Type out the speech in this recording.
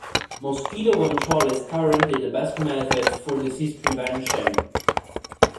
Mosquito control is currently the best method for disease prevention.